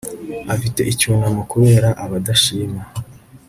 Afite icyunamo kubera abadashima